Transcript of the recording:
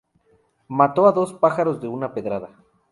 Mató dos pájaros de una pedrada